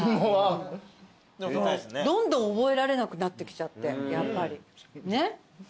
どんどん覚えられなくなってきちゃってやっぱりねっ。